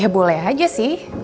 ya boleh aja sih